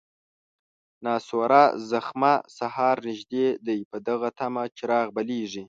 ناسوره زخمه، سهار نژدې دی په دغه طمه، چراغ بلیږي